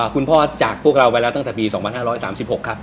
คุณพ่อจากพวกเราไปแล้วตั้งแต่ปี๒๕๓๖ครับ